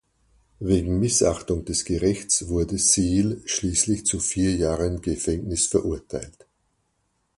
Wegen Missachtung des Gerichts wurde Seale schließlich zu vier Jahren Gefängnis verurteilt.